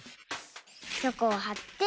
チョコをはって。